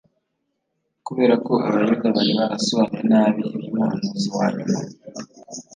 Kubera ko Abayuda bari barasobanuye nabi iby’umuhanuzi wa nyuma,